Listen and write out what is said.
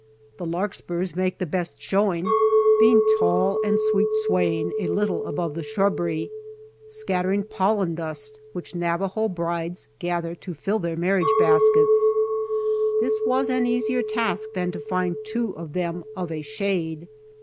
The larkspurs make the best showing, being tall and sweet, sway ing a little above the shrubbery, scattering pollen dust which Navajo brides gather to fill their marriage baskets. This were an easier task than to find two of them of a shade.